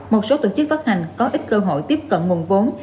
một số tổ chức phát hành có ít cơ hội tiếp cận nguồn vốn